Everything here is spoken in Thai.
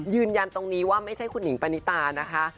ยืนยันตรงนี้ว่าไม่ใช่คุณหิงปณิตานะคะ